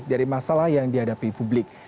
dari masalah yang dihadapi publik